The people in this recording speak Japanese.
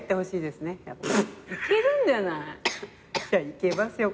いけますよ